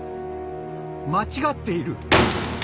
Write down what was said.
間違っている！